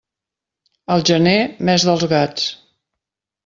El gener, mes dels gats.